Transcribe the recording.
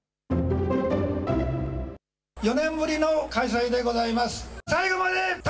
４年ぶりの開催でございます。